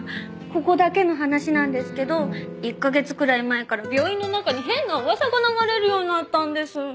ここだけの話なんですけど１カ月くらい前から病院の中に変な噂が流れるようになったんです。